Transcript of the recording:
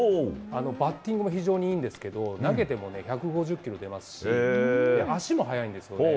バッティングも非常にいいんですけど、投げてもね、１５０キロ出ますし、足も速いんですよね。